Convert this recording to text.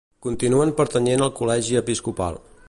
Continuen pertanyent al Col·legi Episcopal.